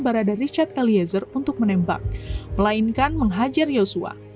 barada richard eliezer untuk menembak melainkan menghajar yosua